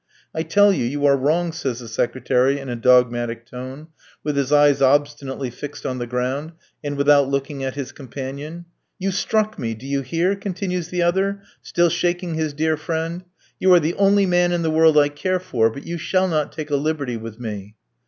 "I tell you, you are wrong," says the secretary, in a dogmatic tone, with his eyes obstinately fixed on the ground, and without looking at his companion. "You struck me. Do you hear?" continues the other, still shaking his dear friend. "You are the only man in the world I care for; but you shall not take a liberty with me."